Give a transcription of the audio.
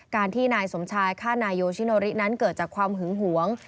การที่นายสมชายฆ่านายโยชิโนรินั้นเกิดจากความหึงหวง